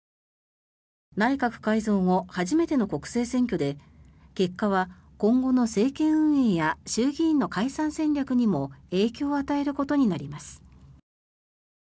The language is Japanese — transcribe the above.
内閣改造後初めての国政選挙で結果は今後の政権運営や衆議院の解散戦略にも影響を与えることになります。